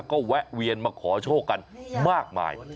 ก็แวะเวียนมาขอโชคกันมากมาย